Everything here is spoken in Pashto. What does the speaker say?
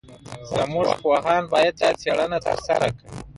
زموږ پوهان باید دا څېړنه ترسره کړي.